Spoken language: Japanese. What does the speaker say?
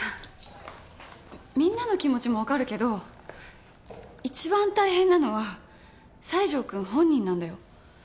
みんなの気持ちもわかるけど一番大変なのは西条くん本人なんだよ。